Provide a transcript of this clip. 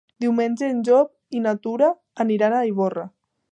Diumenge en Llop i na Tura aniran a Ivorra.